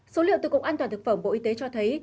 số liệu từ cục an toàn thực phẩm bộ y tế cho thấy